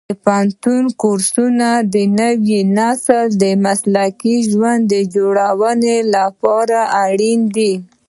د پوهنتون کورسونه د نوي نسل د مسلکي ژوند جوړونې لپاره اړین دي.